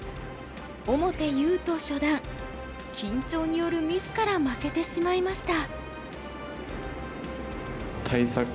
緊張によるミスから負けてしまいました。